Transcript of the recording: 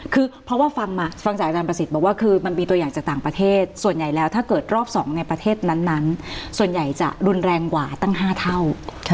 คือเพราะว่าฟังมาฟังจากอาจารย์ประสิทธิ์บอกว่าคือมันมีตัวอย่างจากต่างประเทศส่วนใหญ่แล้วถ้าเกิดรอบ๒ในประเทศนั้นส่วนใหญ่จะรุนแรงกว่าตั้ง๕เท่า